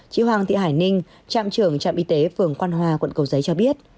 chị hoàng thị hải ninh trạm trưởng trạm y tế phường quan hoa quận cầu giấy cho biết